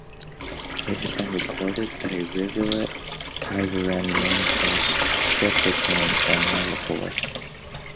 It has been recorded that a rivulet, Kaivareni, ran across Triplicane and Mylapore.